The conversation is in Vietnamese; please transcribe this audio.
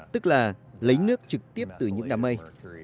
tức là lấy nước trực tiếp từ những đám mây